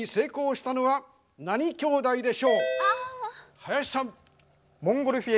林さん。